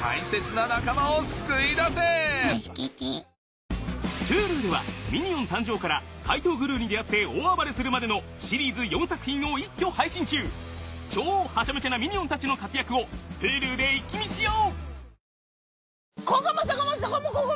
大切な仲間を救い出せ助けてＨｕｌｕではミニオン誕生から怪盗グルーに出会って大暴れするまでのシリーズ４作品を一挙配信中超ハチャメチャなミニオンたちの活躍をＨｕｌｕで一気見しよう！